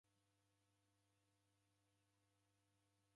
Kwaw'eghora w'ada